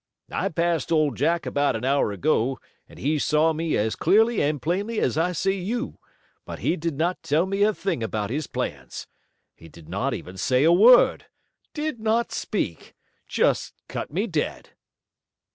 I passed Old Jack about an hour ago and he saw me as clearly and plainly as I see you, but he did not tell me a thing about his plans. He did not even say a word. Did not speak. Just cut me dead."